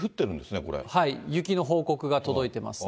雪の報告が届いてますね。